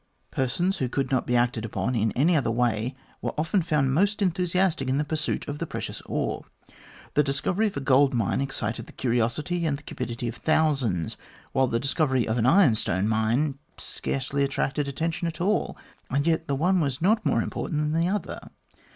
Persons who could not be acted upon in any other way were often found most enthusiastic in the pursuit of the precious ore. The discovery of a gold mine excited the curiosity and the cupidity of thousands, while the discovery of an ironstone mine scarcely attracted attention at all, and yet the one was not more important than the other.